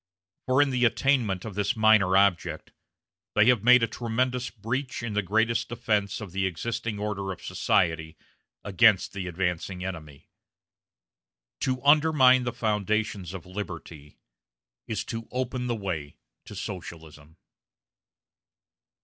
For in the attainment of this minor object, they have made a tremendous breach in the greatest defense of the existing order of society against the advancing enemy. To undermine the foundations of Liberty is to open the way to Socialism.